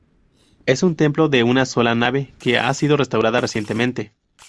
Es un templo de una sola nave que ha sido restaurada recientemente.